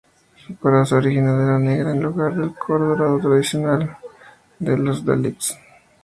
Su coraza original era negra en lugar del color dorado tradicional de los Daleks.